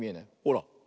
ほら。